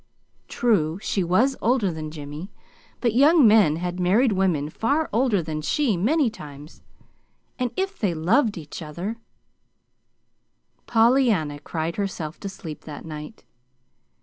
True, she was older than Jimmy; but young men had married women far older than she, many times. And if they loved each other Pollyanna cried herself to sleep that night.